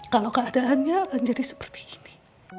kalau keadaannya akan jadi seperti ini